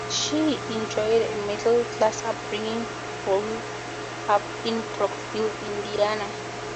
She enjoyed a middle class upbringing, growing up in Brookville, Indiana.